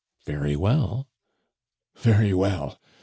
"Very well?" "Very well.